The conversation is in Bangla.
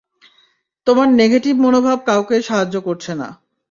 তোমার নেগেটিভ মনোভাব কাউকেই সাহায্য করছে না।